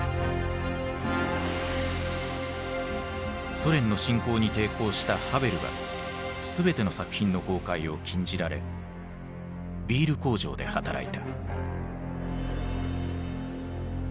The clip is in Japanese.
ソ連の侵攻に抵抗したハヴェルは全ての作品の公開を禁じられビール工場で働いた。